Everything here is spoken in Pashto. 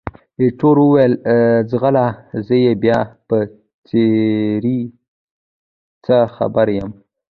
ایټور وویل، ځغله! زه یې بیا په څېرې څه خبر یم؟